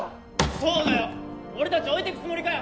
そうだよ俺達置いてくつもりかよ